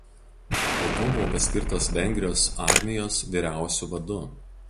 Po to buvo paskirtas Vengrijos armijos vyriausiu vadu.